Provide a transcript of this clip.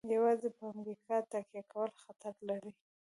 یوازې په امریکا تکیه کول خطر لري.